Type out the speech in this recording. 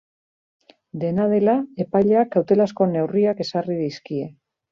Dena dela, epaileak kautelazko neurriak ezarri dizkie.